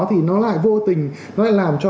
thì nó lại vô tình nó lại làm cho